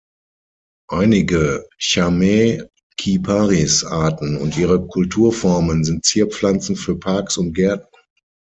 Einige "Chamaecyparis"-Arten und ihre Kulturformen sind Zierpflanzen für Parks und Gärten.